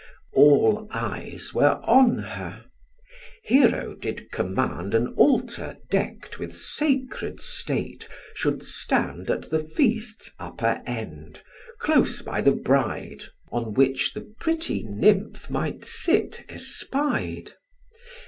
All eyes were on her. Hero did command An altar deck'd with sacred state should stand At the feast's upper end, close by the bride, On which the pretty nymph might sit espied.